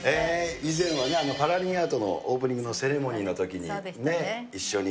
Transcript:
以前はね、パラリンアートのオープニングのセレモニーのときにね、一緒に。